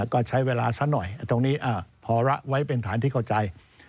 ก็ใช้เวลาซะหน่อยตรงนี้พอระไว้เป็นฐานที่เข้าใจ